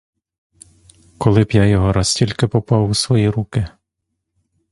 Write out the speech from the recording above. Коли б я його раз тільки попав у свої руки!